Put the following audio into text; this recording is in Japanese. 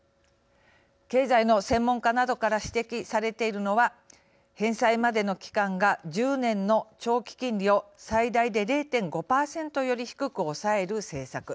経済の専門家などから指摘されているのは返済までの期間が１０年の長期金利を最大で０．５％より低く抑える政策。